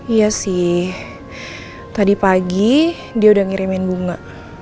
iya sih tadi pagi dia udah ngirimin bunga